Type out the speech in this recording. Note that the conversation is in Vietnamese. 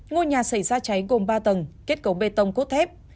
ngôi nhà xảy ra cháy gồm ba tầng kết cấu bê tông cốt thép